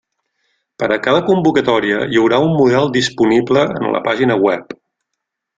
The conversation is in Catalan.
Per a cada convocatòria hi haurà un model disponible en la pàgina web.